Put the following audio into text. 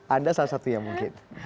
anda salah satu yang mungkin